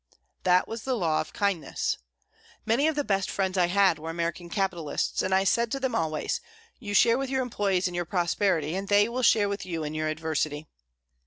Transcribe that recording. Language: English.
That was the law of kindness. Many of the best friends I had were American capitalists, and I said to them always, "You share with your employees in your prosperity, and they will share with you in your adversity."